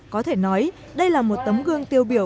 có thể nói đây là một tấm gương tiêu biểu